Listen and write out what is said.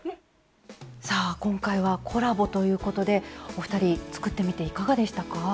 さあ今回はコラボということでお二人作ってみていかがでしたか？